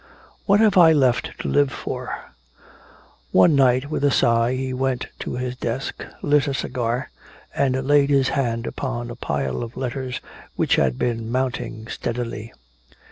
"What have I left to live for?" One night with a sigh he went to his desk, lit a cigar and laid his hand upon a pile of letters which had been mounting steadily.